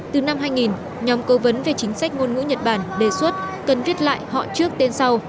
từ năm hai nghìn nhóm cơ vấn về chính sách ngôn ngữ nhật bản đề xuất cần viết lại họ trước tên sau